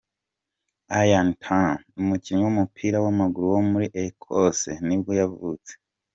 Iain Turner, umukinnyi w’umupira w’amaguru wo muri Ecosse nibwo yavutse.